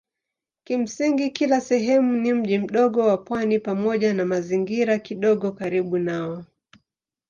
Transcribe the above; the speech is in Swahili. Kimsingi kila sehemu ni mji mdogo wa pwani pamoja na mazingira kidogo karibu nao.